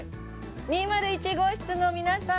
２０１号室の皆さん！